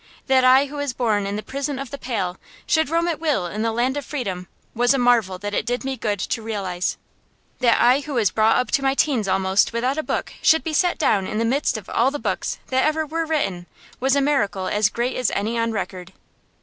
That I who was born in the prison of the Pale should roam at will in the land of freedom was a marvel that it did me good to realize. That I who was brought up to my teens almost without a book should be set down in the midst of all the books that ever were written was a miracle as great as any on record.